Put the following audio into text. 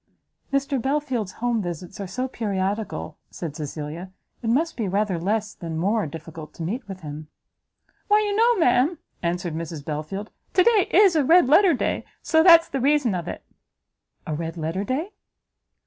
"If Mr Belfield's home visits are so periodical," said Cecilia, "it must be rather less, than more, difficult to meet with him." "Why you know, ma'am," answered Mrs Belfield, "to day is a red letter day, so that's the reason of it." "A red letter day?"